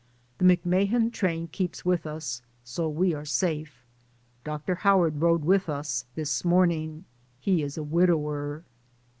The Mc Mahan train keeps with us, so we are safe. Dr. Howard rode with us this morning; he is a widower.